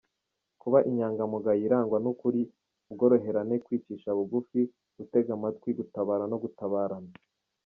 • Kuba inyangamugayo irangwa n’ukuri, ubworoherane, kwicisha bugufi, gutega amatwi, gutabara no gutabarana.